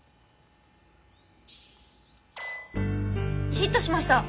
ヒットしました！